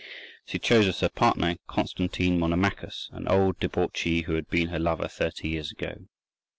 She chose as her partner Constantine Monomachus, an old debauchee who had been her lover thirty years ago.